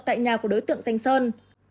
tại nhà của đối tượng danh sơn